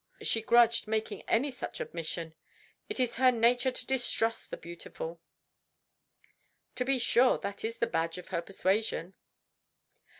She grudged making any such admission. It is her nature to distrust the beautiful." "To be sure. That is the badge of her persuasion."